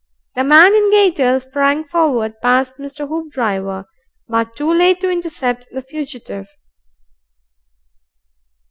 The man in gaiters sprang forward past Mr. Hoopdriver, but too late to intercept the fugitive.